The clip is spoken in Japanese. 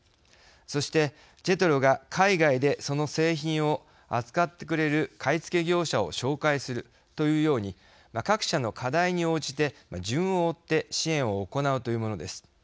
そして、ＪＥＴＲＯが海外でその製品を扱ってくれる買い付け業者を紹介するというように各社の課題に応じて順を追って支援を行うというものです。